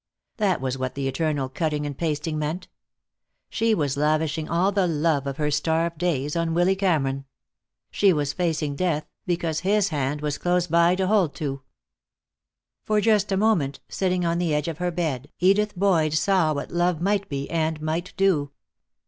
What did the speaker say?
That was what the eternal cutting and pasting meant. She was lavishing all the love of her starved days on Willy Cameron; she was facing death, because his hand was close by to hold to. For just a moment, sitting on the edge of her bed, Edith Boyd saw what love might be, and might do.